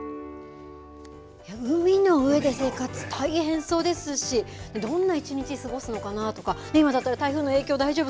いや、海の上での生活大変そうですしどんな１日過ごすのかなとか台風の影響大丈夫